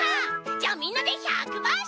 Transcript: じゃあみんなで１００ばんしょうぶだ！